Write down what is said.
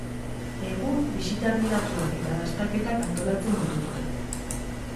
Egun bisita gidatuak eta dastaketak antolatzen dituzte.